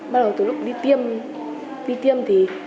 bắt đầu từ lúc đi tiêm